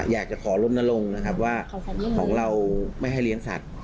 อยากจะขอล้มนรงค์นะครับว่าของเราไม่ให้เลี้ยงสัตว์